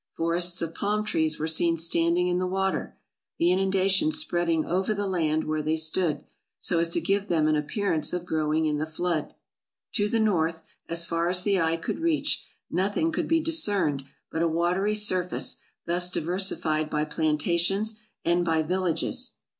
Forests of palm trees were seen standing in the water, the inundation spreading over the land where they stood, so as to give them an ap pearance of growing in the flood. To the north, as far as the eye could reach, nothing could be discerned but a watery surface thus diversified by plantations and by villages.